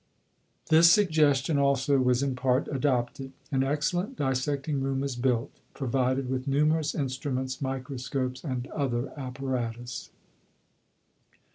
This suggestion also was in part adopted. An excellent dissecting room was built, provided with numerous instruments, microscopes and other apparatus.